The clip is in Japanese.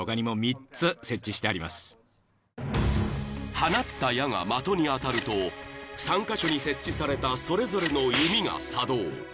［放った矢が的に当たると３箇所に設置されたそれぞれの弓が作動］